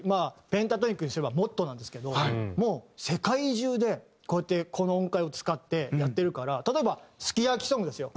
ペンタトニックにすればもっとなんですけどもう世界中でこうやってこの音階を使ってやってるから例えば「スキヤキソング」ですよ。